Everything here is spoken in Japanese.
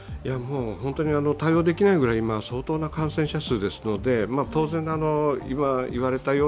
本当に対応できないぐらい、今、相当な感染者数ですので、当然、今、言われたなよ